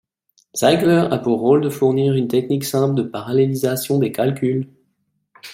Zeigler a pour rôle de fournir une technique simple de parallélisation des calculs.